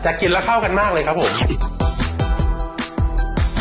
แต่กินแล้วเข้ากันมากเลยครับผม